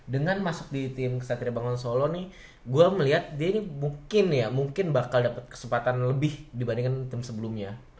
dengan masuk di tim kesatria bangun solo nih gue melihat dia ini mungkin ya mungkin bakal dapat kesempatan lebih dibandingkan tim sebelumnya